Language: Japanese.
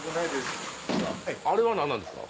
あれは何なんですか？